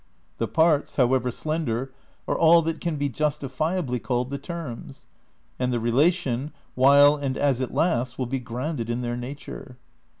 The parts, however slender, are all that can be justifiably called the terms ; and the relation, while and as it lasts, will" be grounded in their nature.